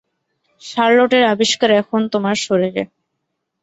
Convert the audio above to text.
শার্লটের আবিষ্কার এখন তোমার শরীরে।